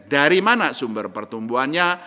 dari mana sumber pertumbuhannya